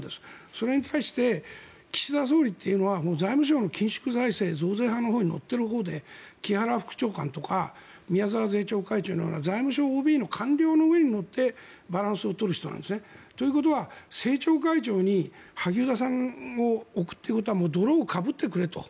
それに対して岸田総理大臣というのは財務省の緊縮財政増税派のほうに乗っているほうで木原副長官とか宮沢政調会長のような財務省ＯＢの官僚の上に乗ってバランスを取る方なので政調会長に萩生田さんを置くということは泥をかぶってくれと。